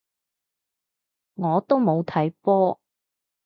我都冇睇波